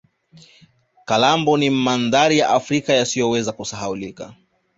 kalambo ni mandhari ya africa yasiyoweza kusahaulika